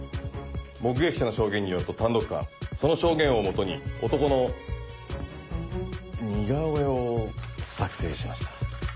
目撃者の証言によると単独犯その証言を基に男の似顔絵を作成しました。